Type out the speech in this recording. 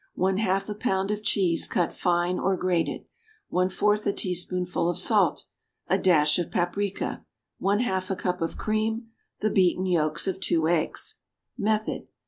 1/2 a pound of cheese, cut fine or grated. 1/4 a teaspoonful of salt. A dash of paprica. 1/2 a cup of cream. The beaten yolks of 2 eggs. _Method.